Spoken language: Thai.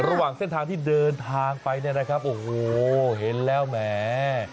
ระหว่างเส้นทางที่เดินทางไปเนี่ยนะครับโอ้โหเห็นแล้วแหม